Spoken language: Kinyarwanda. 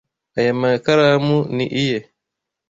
Aya makaramu ni iye.